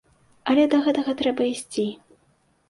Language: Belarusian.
Але да гэтага трэба ісці.